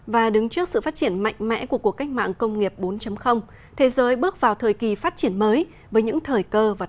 và đứng trước sự phát triển mạnh mẽ của cuộc cách mạng công nghiệp bốn thế giới bước vào thời kỳ phát triển mới